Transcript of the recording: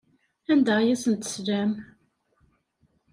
Anda ay asen-teslam?